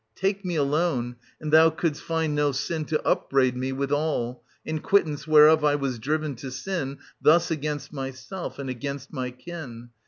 Take pie alone, and thou couldst find no sin to upbraid me withal, in quittance whereof I was driven to sin thus against myself and against my kin.